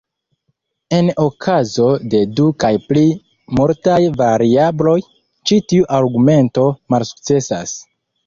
En okazo de du kaj pli multaj variabloj, ĉi tiu argumento malsukcesas.